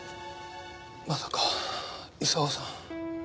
まさか功さん？